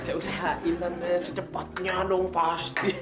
saya usahainan deh secepatnya dong pasti